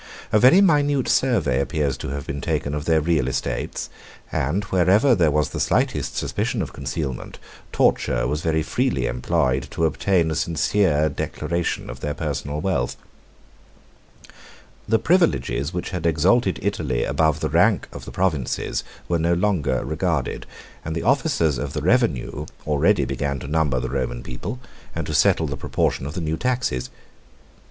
A very minute survey appears to have been taken of their real estates; and wherever there was the slightest suspicion of concealment, torture was very freely employed to obtain a sincere declaration of their personal wealth. 21 The privileges which had exalted Italy above the rank of the provinces were no longer regarded: 211 and the officers of the revenue already began to number the Roman people, and to settle the proportion of the new taxes.